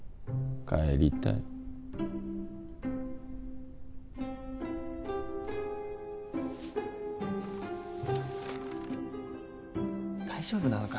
帰りたい大丈夫なのか？